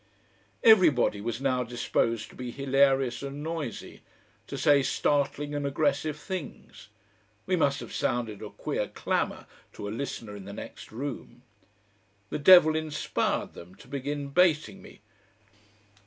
Everybody was now disposed to be hilarious and noisy, to say startling and aggressive things; we must have sounded a queer clamour to a listener in the next room. The devil inspired them to begin baiting me.